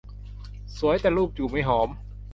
สวยแต่รูป จูบไม่หอม